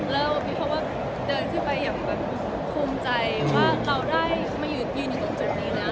แล้วเพราะว่าเดินขึ้นไปอย่างคุ้มใจว่าเราได้มายืนอยู่ตรงจุดนี้แล้ว